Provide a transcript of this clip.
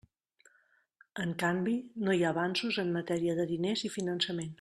En canvi, no hi ha avanços en matèria de diners i finançament.